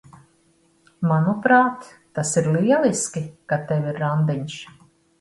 Manuprāt, tas ir lieliski, ka tev ir randiņš.